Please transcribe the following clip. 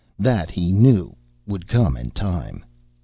That, he knew, would come in time.